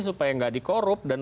supaya gak di korup